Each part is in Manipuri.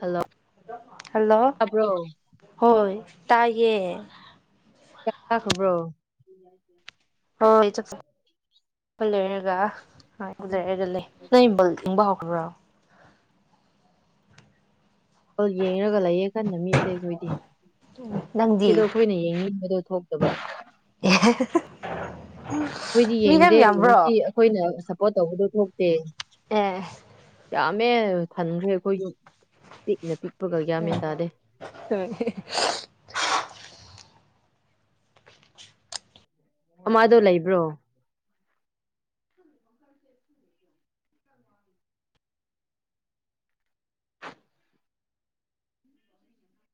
ꯍꯜꯂꯣ ꯍꯜꯂꯣ ꯇꯥꯕ꯭ꯔꯣ ꯍꯣꯏ ꯇꯌꯦ ꯀ ꯈꯕ꯭ꯔꯣ ꯁꯤ ꯍ ꯏꯆ ꯂꯣꯏꯔꯒ ꯍꯣꯏ ꯗ꯭ꯔꯦ ꯑꯗꯨꯗ ꯂꯩ ꯅꯪ ꯕꯜ ꯊꯤꯡꯕ ꯍꯧ ꯈ꯭ꯔ ꯍ ꯌꯦꯡꯉꯒ ꯂꯩꯌꯦ ꯈꯟꯅ ꯃꯤ ꯑꯇꯩꯈꯣꯏꯗꯤ ꯁꯤꯗꯣ ꯅꯪꯗꯤ ꯑꯩꯈꯣꯏꯅ ꯌꯦꯡꯅꯤꯡꯕꯗꯣ ꯊꯣꯛꯇꯕ [inaudible] ꯑꯩꯈꯣꯏꯗꯤ ꯃꯤ ꯌꯥꯝ ꯌꯦꯡꯗꯦ ꯉ ꯌꯥꯝꯕ꯭ꯔꯣ ꯑꯩꯈꯣꯏꯅ ꯑꯣ ꯇꯧꯕꯗꯣ ꯊꯣꯛꯣꯛꯇ ꯑꯦ ꯌꯥꯝꯥꯃꯦ ꯊꯟꯈ꯭ꯔꯦ ꯑꯩꯈꯣꯏꯁꯨ ꯄꯤꯛꯅ ꯄꯤꯛꯄꯒꯒꯃꯤꯦꯟ ꯇꯗꯦ ꯑꯃꯗꯣ ꯂꯩꯕ꯭ꯔꯣ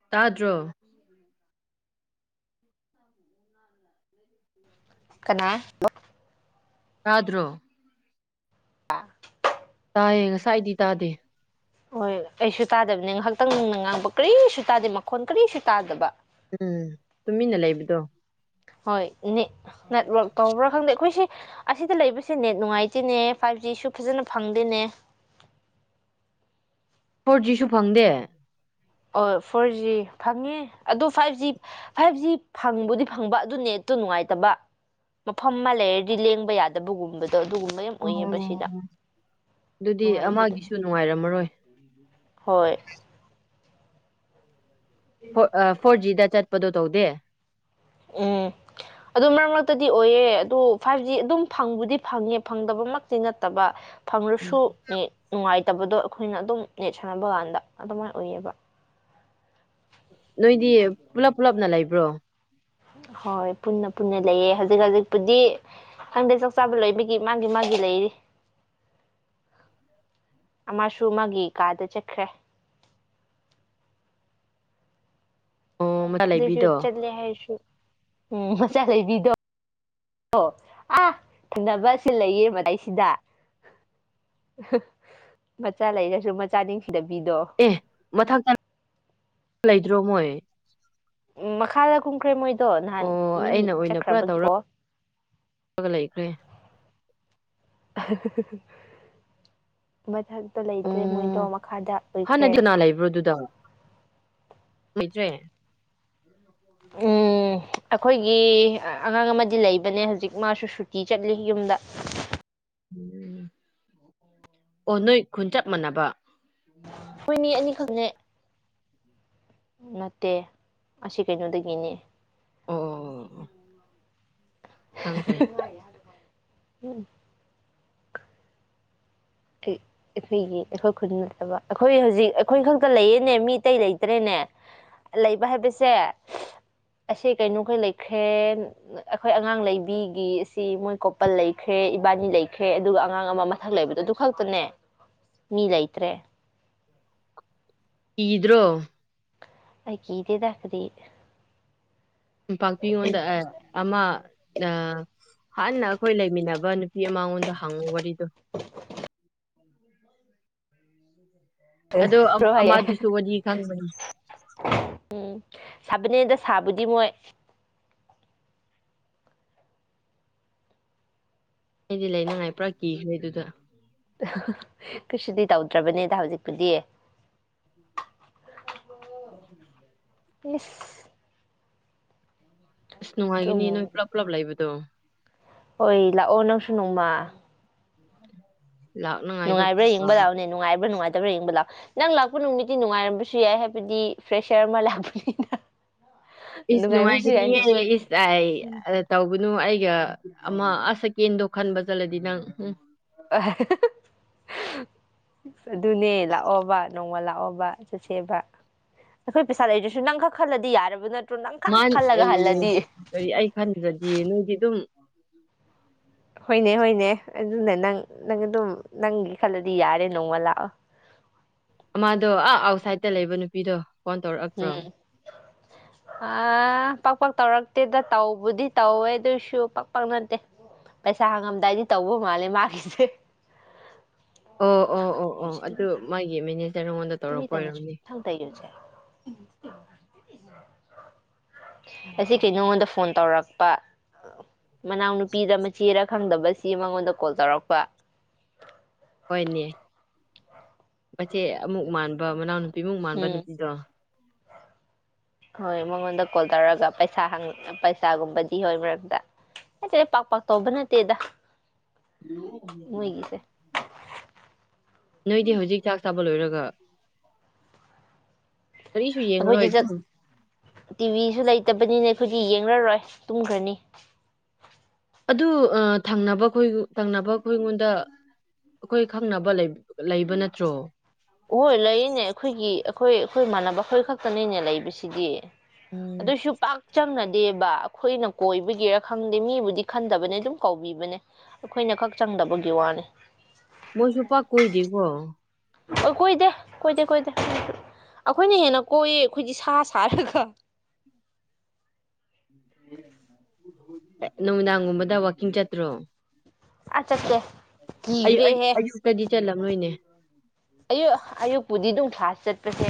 ꯇꯥꯗ꯭ꯔꯣ ꯀꯅꯥ ꯥꯗ꯭ꯔꯣ ꯑ ꯇꯥꯏꯌꯦ ꯉꯁꯥꯏꯗꯤ ꯇꯥꯗꯦ ꯍꯣꯏ ꯑꯩꯁꯨ ꯇꯥꯗꯕꯅꯤ ꯉꯥꯏꯍꯥꯛꯇꯪ ꯅꯨꯡꯅ ꯉꯥꯡꯕ ꯀꯔꯤꯁꯨ ꯇꯥꯗꯦ ꯃꯈꯣꯟ ꯀꯔꯤꯁꯨ ꯇꯥꯗꯕ ꯎꯝ ꯇꯨꯃꯤꯟꯅ ꯂꯩꯕꯗꯣ ꯍꯣꯏ ꯠ ꯅꯦꯠꯋꯔꯛ ꯇꯧꯕ꯭ꯔꯥ ꯈꯪꯗꯦ ꯑꯩꯈꯣꯏꯁꯦ ꯑꯁꯤꯗ ꯂꯩꯕꯁꯦ ꯅꯦꯠ ꯅꯨꯡꯉꯥꯏꯇꯦꯅꯦ ꯐꯥꯏꯚ ꯖꯤꯁꯨ ꯐꯖꯅ ꯐꯪꯗꯦꯅꯦ ꯐꯣꯔꯖꯤꯁꯨ ꯐꯪꯗꯦ ꯑꯣ ꯐꯣꯔ ꯖꯤ ꯐꯪꯉꯦ ꯑꯗꯨ ꯐꯥꯏꯚ ꯖꯤ ꯐꯥꯏꯚ ꯖꯤ ꯐꯪꯕꯨꯗꯤ ꯐꯪꯕ ꯑꯗꯨ ꯅꯦꯠꯇꯣ ꯅꯨꯡꯉꯥꯏꯇꯕ ꯃꯐꯝ ꯑꯃ ꯂꯩꯔꯗꯤ ꯂꯦꯡꯕ ꯌꯥꯗꯕꯒꯨꯝꯕꯗ ꯎꯝ ꯑꯗꯨꯗꯤ ꯅꯨꯡꯉꯥꯏꯇꯦꯗꯅ ꯑꯃꯒꯤꯁꯨ ꯅꯨꯡꯉꯥꯏꯔꯝꯃꯔꯣꯏ ꯍꯣꯏ ꯐ ꯐꯣꯔꯖꯤꯗ ꯆꯠꯄꯗꯣ ꯇꯧꯗꯦ ꯎꯝ ꯑꯗꯨ ꯃꯔꯛ ꯃꯔꯛꯇꯗꯤ ꯑꯣꯏꯌꯦ ꯑꯗꯨ ꯐꯥꯏꯚ ꯖꯤ ꯑꯗꯨꯝ ꯐꯪꯕꯨꯗꯤ ꯐꯪꯉꯦ ꯐꯪꯗꯕꯃꯛꯇꯤ ꯅꯠꯇꯕ ꯐꯪꯂꯁꯨ ꯅꯨꯡꯉꯥꯏ ꯇꯕꯗꯣ ꯑꯈꯣꯏꯅ ꯑꯗꯨꯝ ꯅꯦꯠ ꯁꯥꯟꯅꯕ ꯀꯥꯟꯗ ꯑꯗꯨꯃꯥꯏꯅ ꯑꯣꯏꯌꯦꯕ ꯅꯣꯏꯗꯤ ꯄꯨꯂꯞ ꯄꯨꯜꯂꯞꯅ ꯂꯩꯕ꯭ꯔꯣ ꯍꯣꯏ ꯄꯨꯟꯅ ꯄꯨꯟꯅ ꯂꯩꯑꯦ ꯍꯧꯖꯤꯛ ꯍꯧꯖꯤꯛꯄꯨꯗꯤ ꯈꯪꯗꯦ ꯆꯥꯛ ꯆꯥꯕ ꯂꯣꯏꯕꯒꯤ ꯃꯥꯒꯤ ꯃꯥꯒꯤ ꯂꯩꯔꯤ ꯑꯃꯁꯨ ꯃꯥꯒꯤ ꯀꯥꯗ ꯆꯠꯈ꯭ꯔꯦ ꯑꯣ ꯃꯆꯥ ꯑꯗꯨꯁꯨ ꯂꯩꯕꯤꯗꯣ ꯆꯜꯂꯦ ꯍꯥꯏꯁꯨ ꯎꯝ ꯃꯆꯥ ꯂꯩꯕꯤꯗꯣ ꯑꯥ ꯊꯦꯡꯅꯕ ꯑꯁꯤ ꯂꯩꯌꯦ ꯃꯗꯩꯁꯤꯗ ꯃꯆꯥ ꯂꯩꯔꯁꯨ ꯃꯆꯥ ꯅꯤꯡ ꯑꯦ ꯃꯊꯪꯛꯇ ꯂꯩ ꯔꯣꯃꯣꯏ ꯎꯝ ꯃꯈꯥꯗ ꯀꯨꯝꯈ꯭ꯔꯦ ꯃꯣꯏ ꯑꯗꯣ ꯅꯍꯥꯟ ꯑꯣ ꯃꯤ ꯑꯩꯅ ꯑꯣꯏꯅ ꯄꯨꯔꯥ ꯆꯠꯈ꯭ꯔꯕꯒꯤꯀꯣ ꯇꯧꯔꯒ ꯂꯩꯈ꯭ꯔꯦ ꯃꯊꯟ ꯇ ꯑꯣ ꯂꯩꯇ꯭ꯔꯦ ꯃꯣꯏꯗꯣ ꯃꯈꯥꯗ ꯂꯪꯈ꯭ꯔꯦ ꯍꯥꯟꯅꯗꯤ ꯀꯅꯥ ꯂꯩꯕ꯭ꯔꯣ ꯑꯗꯨꯗ ꯂꯩꯇ꯭ꯔꯦ [inaudible] ꯑꯈꯣꯏꯒꯤ ꯑꯉꯥꯡ ꯑꯃꯗꯤ ꯂꯩꯕꯅꯦ ꯍꯧꯖꯤꯛ ꯃꯥꯁꯨ ꯁꯨꯇꯤ ꯆꯠꯂꯤ ꯌꯨꯝꯗ ꯑꯣ ꯅꯣꯏ ꯈꯨꯟꯆꯞ ꯃꯥꯟꯅꯕ ꯍꯣꯏ ꯃꯤ ꯑꯅꯤꯈꯛꯅꯦ ꯅꯠꯇꯦ ꯑꯁꯤ ꯀꯩꯅꯣꯗꯒꯤꯅꯤ ꯑꯣ ꯈꯪꯈ꯭ꯔꯦ ꯎꯝ ꯑꯩꯈꯣꯏꯒꯤ ꯑꯩꯈꯣꯏ ꯈꯨꯟ ꯅꯠꯇꯕ ꯑꯩꯈꯣꯏ ꯍꯧꯖꯤꯛ ꯑꯩꯈꯣꯏ ꯈꯛꯇ ꯂꯩꯌꯦꯅꯦ ꯃꯤ ꯑꯇꯩ ꯂꯩꯇ꯭ꯔꯦꯅꯦ ꯂꯩꯕ ꯍꯥꯏꯕꯁꯦ ꯑꯁꯤ ꯀꯩꯅꯣꯈꯩ ꯂꯩꯈ꯭ꯔꯦ ꯑꯩꯈꯣꯏ ꯑꯉꯥꯡ ꯂꯩꯕꯤꯒꯤ ꯑꯁꯤ ꯃꯣꯏ ꯀꯣꯄꯜ ꯂꯩꯈ꯭ꯔꯦ ꯏꯕꯥꯅꯤ ꯂꯩꯈ꯭ꯔꯦ ꯑꯗꯨꯒ ꯑꯉꯥꯡ ꯑꯃ ꯃꯊꯛ ꯂꯩꯕꯗꯣ ꯈꯛꯇꯅꯦ ꯃꯤ ꯂꯩꯇ꯭ꯔꯦ ꯀꯤꯗ꯭ꯔꯣ ꯑꯩ ꯀꯤꯗꯦꯗ ꯀꯔꯤ ꯄꯥꯛꯄꯤꯉꯣꯟꯗ ꯑꯃ ꯑ ꯍꯥꯟꯅ ꯑꯩꯈꯣꯏ ꯂꯩꯃꯤꯟꯅꯕ ꯅꯨꯄꯤ ꯑꯃ ꯃꯉꯣꯟꯗ ꯍꯪꯉꯨ ꯋꯥꯔꯤ [unintelligible] ꯑꯗꯣ ꯔꯣ ꯍꯥꯏꯌꯦ ꯑꯃꯗꯨꯁꯨ ꯋꯥꯔꯤ ꯈꯪꯕꯅꯤ ꯁꯥꯕꯅꯦꯗ ꯁꯥꯕꯨꯗꯤ ꯃꯣꯏ ꯑꯩꯗꯤ ꯂꯩꯅꯉꯥꯏ ꯄꯨꯔꯥ ꯀꯤꯈ꯭ꯔꯦ ꯑꯗꯨꯗ ꯀꯩꯁꯨꯗꯤ ꯇꯧꯗ꯭ꯔꯕꯅꯦꯗ ꯍꯧꯖꯤꯛꯄꯨꯗꯤ [unintelligible] ꯏꯁꯤꯁ ꯑꯁ ꯉꯒꯅꯤ ꯅꯣꯏ ꯇꯨꯝꯃꯨ ꯄꯨꯂꯞ ꯄꯨꯂꯞ ꯂꯩꯕꯣ ꯠꯇꯣ ꯍꯣꯏ ꯂꯥꯛꯑꯣ ꯅꯪꯁꯨꯨꯅꯨꯃ ꯎꯝ ꯅꯨꯡꯉꯕ꯭ꯔꯥ ꯌꯦꯡꯕ ꯂꯥꯛꯑꯣꯅꯦ ꯅꯨꯡꯥꯏꯕ꯭ꯔꯥ ꯅꯨꯡꯉꯥꯏ ꯠꯇꯕ꯭ꯔꯥ ꯌꯦꯡꯕ ꯂꯥꯛꯑꯣ ꯅꯪ ꯂꯥꯛꯄ ꯅꯨꯃꯤꯠꯇꯤ ꯅꯨꯡꯉꯥꯏꯔꯝꯕꯁꯨ ꯌꯥꯏ ꯍꯥꯏꯕꯗꯤ ꯐ꯭ꯔꯦꯁꯌꯥꯔ ꯑꯃ ꯂꯥꯛꯄꯅꯤꯅ ꯏꯁ ꯅꯨꯡꯉꯥꯏꯕꯁꯨ ꯌꯥꯏ ꯅꯨꯡꯉꯥꯏꯖꯅꯤꯉꯦ ꯏꯁꯥꯏ ꯑ ꯇꯧꯕꯅꯨ ꯑꯩ ꯑꯃ ꯑꯁꯀꯦꯟꯗꯣ ꯈꯟꯕ ꯆꯠꯂꯗꯤ ꯅꯪ ꯎꯝ ꯑ ꯑꯗꯨꯅꯦ ꯂꯥꯛꯑꯣꯕ ꯅꯣꯡꯃ ꯂꯥꯛꯑꯣꯕ ꯆꯠꯁꯦꯕ ꯑꯩꯈꯣꯏ ꯄꯩꯁꯥ ꯂꯩꯗ꯭ꯔꯁꯨ ꯅꯪ ꯈꯛ ꯈꯜꯂꯗꯤ ꯌꯥꯔꯕ ꯅꯠꯇ ꯃꯥ ꯑꯩ ꯀ ꯑꯩ ꯈꯟꯗ꯭ꯔꯗꯤ ꯅꯣꯏꯗꯤ ꯑꯗꯨꯝ ꯍꯣꯏꯅꯦ ꯍꯣꯏꯅꯦ ꯑꯗꯨꯅ ꯅꯪ ꯅꯪ ꯑꯗꯨꯝ ꯅꯪꯒꯤ ꯈꯜꯂꯗꯤ ꯌꯥꯔꯦ ꯅꯣꯡꯃ ꯂꯥꯛꯑꯣ ꯃꯥꯥꯗꯣ ꯑꯥ ꯑꯥꯎꯠꯁꯥꯏꯗꯠꯇ ꯂꯩꯕ ꯅꯨꯄꯤꯗꯣ ꯐꯣꯟ ꯇꯧꯔꯛꯑꯕ꯭ꯔꯣ ꯑ ꯄꯥꯛꯄꯛ ꯇꯧꯔꯛꯇꯦꯗ ꯇꯧꯕꯗꯤ ꯇꯧꯋꯦ ꯑꯗꯨꯏꯁꯨ ꯄꯥꯛꯄꯛ ꯅꯠꯇꯦ ꯄꯩꯁꯥ ꯍꯪꯉꯝꯗꯥꯏꯗꯤ ꯇꯧꯕ ꯃꯥꯜꯂꯦ ꯃꯥꯒꯤꯁꯦ ꯑꯣ ꯑꯣ ꯑꯣ ꯑꯣ ꯑꯗꯨ ꯃꯥꯒꯤ ꯃꯦꯅꯦ ꯇꯃꯤ ꯇꯅ ꯆ ꯊꯜ ꯇꯏ ꯌ ꯆ ꯑꯁꯤ ꯀ ꯅꯉꯣꯟꯗ ꯐꯣꯟ ꯇꯧꯔꯛꯄ ꯃꯅꯥꯎꯅꯨꯄꯤꯗ ꯃꯆꯦꯔ ꯈꯪꯗꯕꯁꯤ ꯃꯉꯣꯟꯗ ꯀꯣꯜ ꯇꯧꯔꯛꯄ ꯍꯣꯏꯅꯦ ꯃꯆꯦ ꯑꯃꯨꯛ ꯃꯥꯟꯕ ꯃꯅꯥꯎ ꯅꯨ ꯏꯃꯨꯡ ꯃꯥꯟꯕ ꯎꯝ ꯅꯨꯄꯤꯗꯣ ꯍꯣꯏ ꯃꯉꯣꯟꯗ ꯀꯣꯜ ꯇꯧꯔꯒ ꯄꯩꯁꯥ ꯄꯩꯁꯥꯒꯨꯝꯕꯗꯤ ꯍꯣꯏ ꯃꯔꯝꯗ ꯍꯥꯏ ꯄꯥꯛ ꯄꯥꯛ ꯇꯧꯕ ꯅꯠꯇꯦꯗ ꯃꯣꯏꯒꯤꯁꯦ ꯅꯣꯏꯗꯤ ꯍꯧꯖꯤꯛ ꯍ ꯆꯥꯛ ꯆꯥꯕ ꯂꯣꯏꯔꯒ [unintelligible] ꯀꯔꯤꯁꯨ ꯌꯦꯡꯉꯔꯣꯏ ꯑꯩꯈꯣꯏꯗꯤ ꯑꯗꯨꯝ ꯇꯤꯚꯁꯨ ꯂꯩꯇꯕꯅꯤꯅꯦ ꯑꯩꯈꯣꯏꯗꯤ ꯌꯦꯡꯅꯔꯣꯏ ꯇꯨꯝꯈ꯭ꯔꯅꯤ ꯑꯗꯨ ꯊꯪꯅꯕꯣꯏ ꯊꯪꯅꯕ ꯑꯩꯉꯣꯟꯗ ꯑꯩꯈꯣꯏ ꯈꯪꯅꯕ ꯂꯩꯕ ꯅꯠꯇ꯭ꯔꯣ ꯍꯣꯏ ꯂꯩꯌꯦꯅꯦ ꯑꯩꯈꯣꯏꯒꯤ ꯑꯩꯈꯣꯏ ꯑꯩꯈꯣꯏ ꯃꯥꯟꯅꯕ ꯑꯩꯈꯣꯏ ꯈꯛꯇꯅꯤꯅꯦ ꯂꯩꯕꯁꯤꯗꯤ ꯎꯝ ꯑꯗꯨꯁꯨ ꯄꯥꯛ ꯆꯝꯅꯗꯦꯕ ꯑꯩꯈꯣꯏꯅ ꯀꯣꯏꯕꯒꯤꯔ ꯈꯪꯗꯦ ꯃꯤꯕꯨꯗꯤ ꯈꯟꯗꯕꯅꯦ ꯑꯗꯨꯝ ꯀꯧꯕꯤꯕꯅꯦ ꯑꯩꯈꯣꯏꯅ ꯈꯛ ꯆꯪꯗꯕꯒꯤ ꯋꯥꯅꯤ ꯃꯣꯏ ꯆꯣꯄꯥ ꯀꯗꯕ ꯑꯣ ꯀꯣꯏꯗꯦ ꯀꯣꯏꯗꯦ ꯀꯣꯏꯗꯦ ꯑꯩꯈꯣꯏꯅ ꯍꯦꯟꯅ ꯀꯣꯏꯌꯦ ꯑꯩꯈꯣꯏꯗꯤ ꯁꯥ ꯁꯥꯔꯒ ꯅꯨꯃꯤꯗꯥꯡꯒꯨꯝꯕꯗ ꯋꯥꯋꯀꯤꯡ ꯆꯠꯇ꯭ꯔꯣ ꯑꯆꯥꯇꯦ ꯑꯌ ꯑꯌꯨ ꯀꯗꯤ ꯆꯠꯂꯝ ꯅꯣꯏꯅꯦ ꯑꯌꯣ ꯑꯌꯨꯛ ꯕꯨꯗꯤ ꯑꯗꯨꯝ ꯀ꯭ꯂꯥꯁ ꯆꯠꯄꯁꯦ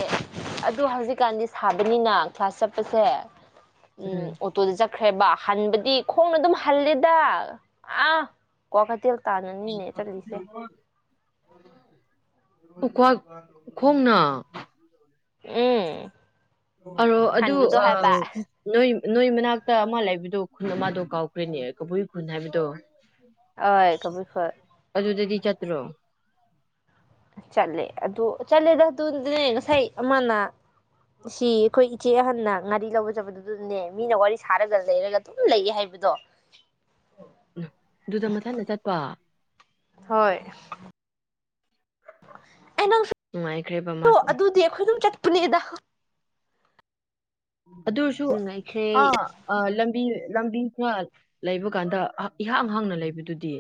ꯑꯗꯨ ꯍꯧꯖꯤꯛꯀꯥꯟꯗꯤ ꯁꯥꯕꯅꯤꯅ ꯀ꯭ꯂꯥꯁ ꯆꯠꯄꯁꯦ ꯎꯝ ꯑꯣꯇꯣꯗ ꯆꯠꯈꯦꯕꯥ ꯍꯟꯕꯗꯤ ꯈꯣꯡꯅ ꯑꯗꯨꯝ ꯍꯂꯦꯗ ꯑ ꯀ꯭ꯋꯥꯀꯩꯊꯦꯜ ꯇꯥꯟꯅꯅꯤꯅꯦ ꯆꯜꯂꯤꯠꯂꯤꯁꯦ ꯈꫭꯡꯅꯥ ꯎꯝ ꯑꯔꯣ ꯑꯗꯨ ꯍꯟꯕꯗꯣ ꯍꯥꯏꯕ ꯅꯣꯏ ꯅꯣꯏ ꯃꯅꯥꯛꯇ ꯑꯃ ꯂꯩꯕꯗꯣ ꯈꯨꯟ ꯑꯃꯗꯣ ꯀꯥꯎꯈ꯭ꯔꯦꯅꯦ ꯀꯕꯨꯏ ꯈꯨꯟ ꯍꯥꯏꯕꯗꯣ ꯍꯣꯏ ꯀꯕꯨꯏꯈꯣꯏ ꯑꯗꯨꯗꯗꯤ ꯆꯠꯇ꯭ꯔꯣ ꯆꯠꯂꯦ ꯑꯗꯨ ꯆꯠꯂꯦꯗ ꯑꯗꯨꯅꯦ ꯉꯁꯥꯏ ꯑꯃꯅ ꯁꯤ ꯑꯩꯈꯣꯏ ꯏꯆꯦ ꯑꯍꯟꯅ ꯉꯥꯔꯤ ꯂꯧꯕ ꯆꯠꯄꯗꯨꯗꯨꯗꯅꯦ ꯃꯤꯅ ꯋꯥꯔꯤ ꯁꯥꯔꯒ ꯂꯩꯔꯒ ꯑꯗꯨꯝ ꯂꯩ ꯍꯥꯏꯕꯗꯣ ꯑꯗꯨꯗ ꯃꯊꯟꯇ ꯆꯠꯄ ꯍꯣꯏ ꯑꯩ ꯅꯪ ꯅꯨꯡꯉꯥꯏꯈ꯭ꯔꯦꯕ ꯃꯥꯁꯦ ꯑꯗꯨꯗꯤ ꯑꯩꯈꯣꯏ ꯑꯗꯨꯝ ꯆꯠ ꯄꯨꯂꯤꯗ ꯑꯗꯨꯁꯨ ꯅꯨꯡꯉꯥꯏꯈ꯭ꯔꯦ ꯑ ꯂꯝꯕꯤ ꯂꯝꯕꯤ ꯈꯔ ꯂꯩꯕ ꯀꯥꯟꯗ ꯏꯍꯥꯡ ꯍꯥꯡꯅ ꯂꯩꯕꯗꯨꯗꯤ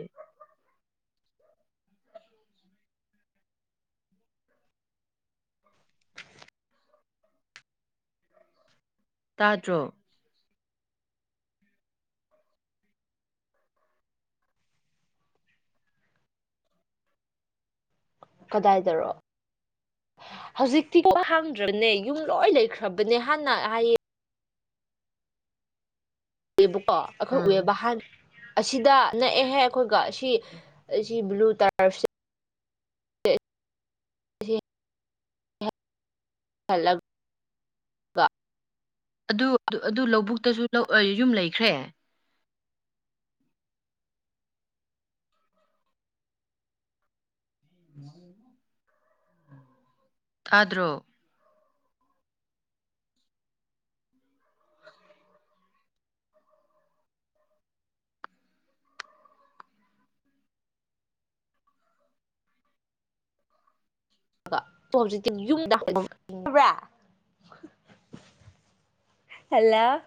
ꯇꯥꯗ꯭ꯔꯣ ꯀꯗꯥꯏꯗꯔꯣ ꯍꯧꯖꯤꯛꯇꯤ ꯍꯥꯡꯗ꯭ꯔꯕꯅꯦ ꯌꯨꯝ ꯂꯣꯏ ꯂꯩꯈ꯭ꯔꯕꯅꯦ ꯍꯥꯟꯅ ꯍꯥꯏꯌꯦ ꯑꯩꯕꯨꯛ ꯑꯣ ꯑꯩꯈꯣꯏ ꯎꯝ ꯎꯋꯦ ꯍꯥꯟ ꯑꯁꯤꯗ ꯅꯛꯑꯦꯍꯦ ꯑꯩꯈꯣꯏ ꯁꯤ ꯕ꯭ꯂꯨ ꯇꯔ ꯁꯤ [unintelligible] ꯑꯗꯨ ꯑꯗꯨ ꯂꯧꯕꯨꯛꯇꯁꯨ ꯌꯨꯝ ꯂꯩꯈ꯭ꯔꯦ ꯎꯝ [unintelligible] ꯇꯥꯗꯔꯣ ꯍꯧꯖꯤ ꯌꯨꯝꯗ꯭ꯔ ꯍꯜꯂꯣ